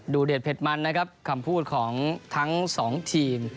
เด็ดเผ็ดมันนะครับคำพูดของทั้งสองทีม